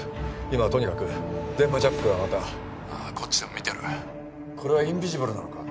今はとにかく電波ジャックがまた☎ああこっちでも見てるこれはインビジブルなのか？